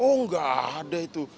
oh enggak ada itu